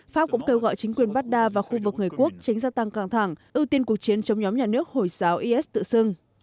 pháp cũng kêu gọi chính quyền bazda và khu vực người quốc tránh gia tăng căng thẳng ưu tiên cuộc chiến chống nhóm nhà nước hồi giáo is tự xưng